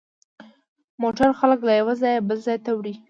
موټر خلک له یوه ځایه بل ته وړي.